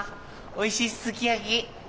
おいしいすき焼き。